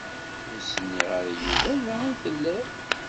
Ur s-nniɣ ara i Yuba da i telliḍ.